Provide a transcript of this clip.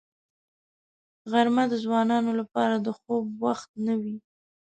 غرمه د ځوانانو لپاره د خوب وخت نه وي